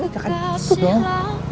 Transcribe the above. jangan gitu dong